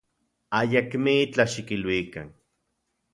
Ayakmitlaj xikiluikan.